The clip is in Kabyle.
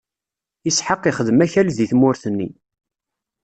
Isḥaq ixdem akal di tmurt-nni.